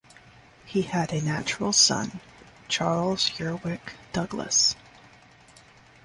He had a natural son, Charles Eurwicke Douglas.